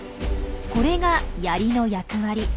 これがヤリの役割。